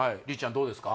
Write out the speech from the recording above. どうですか？